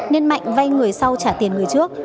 nên mạnh vai người sau trả tiền người trước